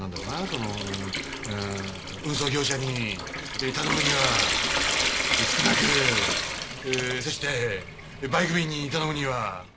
そのうんうん運送業者に頼むには少なくそしてバイク便に頼むには多いという。